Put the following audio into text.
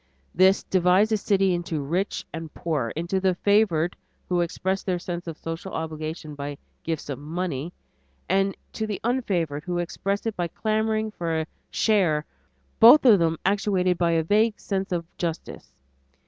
This divides a city into rich and poor; into the favored, who express their sense of the social obligation by gifts of money, and into the unfavored, who express it by clamoring for a "share" both of them actuated by a vague sense of justice.